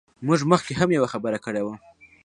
موږ مخکې هم یوه خبره کړې وه.